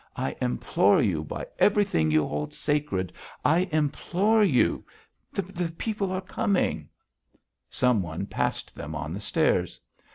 I implore you, by everything you hold sacred, I implore you.... The people are coming " Some one passed them on the stairs.